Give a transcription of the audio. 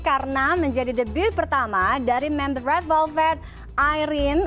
karena menjadi debut pertama dari member red velvet irene